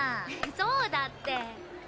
そうだって！